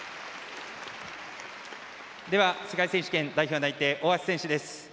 世界選手権代表内定大橋選手です。